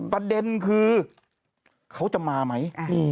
ประเด็นคือเขาจะมาไหม